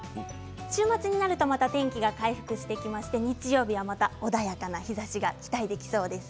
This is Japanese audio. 週末になると、また天気が回復してきまして日曜日はまた穏やかな日ざしが期待できそうです。